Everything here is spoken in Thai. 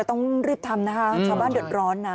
ต้องรีบทำนะคะชาวบ้านเดือดร้อนนะ